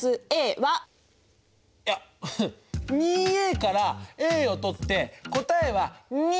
いや２からを取って答えは２！